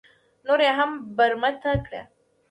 نور یې هم برمته کړه.